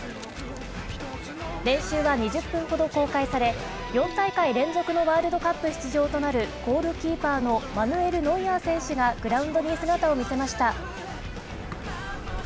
練習は２０分ほど公開され、４大会連続のワールドカップ出場となるゴールキーパーのマヌエル・ノイアー選手がグラウンドに姿を見せました。